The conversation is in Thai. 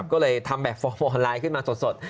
ก็เลยทำแบบฟอร์ไลน์ขึ้นมาสด